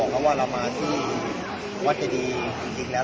สวัสดีครับพี่เบนสวัสดีครับ